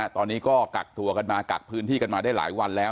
ตอนนี้ก็กักตัวกันมากักพื้นที่กันมาได้หลายวันแล้ว